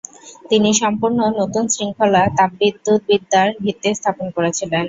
তিনি সম্পূর্ণ নতুন শৃঙ্খলা, তাপবিদ্যুৎবিদ্যার ভিত্তি স্থাপন করেছিলেন।